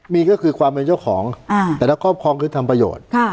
มีก็คือความเป็นเจ้าของแต่ละครอบครองคือทำประโยชน์